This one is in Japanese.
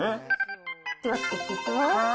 では作っていきます。